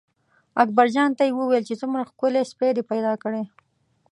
اکبرجان ته یې وویل چې څومره ښکلی سپی دې پیدا کړی.